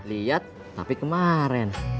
lihat tapi kemarin